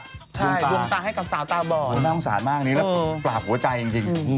ดวงตาให้กับสาวตาบ่อนโอ้โฮน่าต้องศาลมากปราบหัวใจจริง